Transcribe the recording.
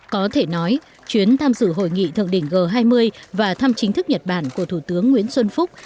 có thể nói chuyến tham dự hội nghị thượng đỉnh g hai mươi và thăm chính thức nhật bản của thủ tướng nguyễn xuân phúc